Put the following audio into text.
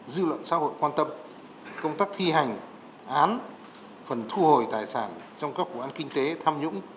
dư luận xã hội quan tâm công tác thi hành án phần thu hồi tài sản trong các vụ án kinh tế tham nhũng